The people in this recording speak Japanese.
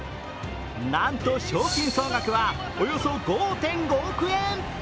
なんと賞金総額はおよそ５．５億円。